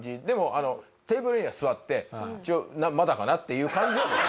でもあのテーブルには座って一応「まだかな」っていう感じは。